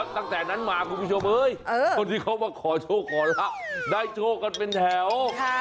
ตั้งแต่นั้นมาคุณผู้ชมคนที่เขามาขอโชคขอละได้โชคกันเป็นแถว